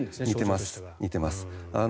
似てます。